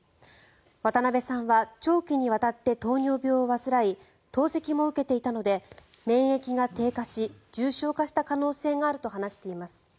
渡辺さんは長期にわたって糖尿病を患い透析も受けていたので免疫が低下し重症化した可能性があると話しています。